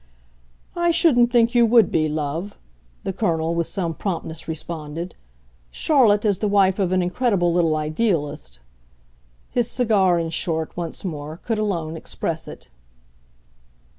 "I shouldn't think you would be, love," the Colonel with some promptness responded. "Charlotte as the wife of an incredible little idealist !" His cigar, in short, once more, could alone express it.